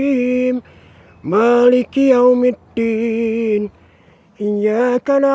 assalamualaikum warahmatullahi wabarakatuh